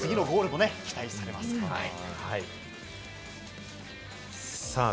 次のゴールも期待されます。